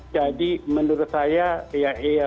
jadi menurut saya ya iya